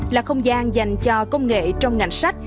là không gian dành cho công nghệ trong ngành sách